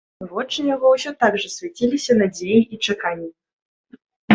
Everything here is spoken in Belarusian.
Вочы яго ўсё так жа свяціліся надзеяй і чаканнем.